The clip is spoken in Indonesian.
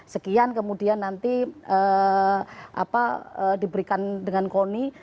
sekian kemudian nanti diberikan dengan koni